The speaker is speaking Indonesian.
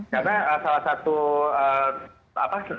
karena salah satu apa